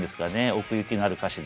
奥行きのある歌詞で。